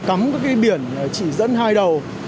cắm các biển chỉ dẫn hai đầu